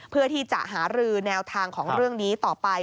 เพื่อที่จะหารือแนวทางของเรื่องนี้ต่อไป